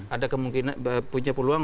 ada kemungkinan punya peluang